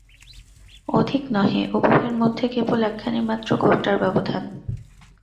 অধিক নহে, উভয়ের মধ্যে কেবল একখানিমাত্র ঘোমটার ব্যবধান।